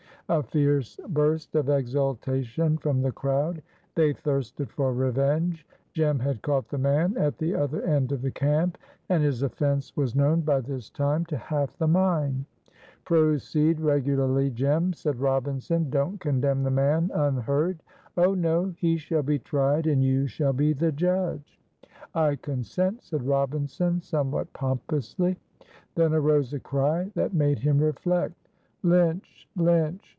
A fierce burst of exultation from the crowd. They thirsted for revenge. Jem had caught the man at the other end of the camp, and his offense was known by this time to half the mine. "Proceed regularly, Jem," said Robinson. "Don't condemn the man unheard." "Oh, no! He shall be tried, and you shall be the judge." "I consent," said Robinson, somewhat pompously. Then arose a cry that made him reflect. "Lynch! Lynch!